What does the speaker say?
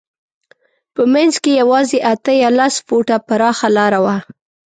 په منځ کې یې یوازې اته یا لس فوټه پراخه لاره وه.